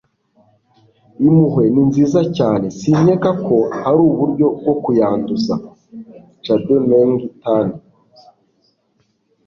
impuhwe ni nziza cyane, sinkeka ko hari uburyo bwo kuyanduza. - chade-meng tan